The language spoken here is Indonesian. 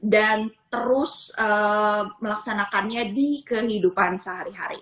dan terus melaksanakannya di kehidupan sehari hari